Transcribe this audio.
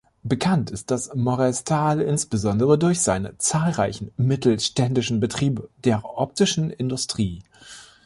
Bekannt ist das Morez-Tal insbesondere durch seine zahlreichen mittelständischen Betriebe der optischen Industrie.